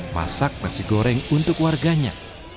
masak nasi goreng untuk warganya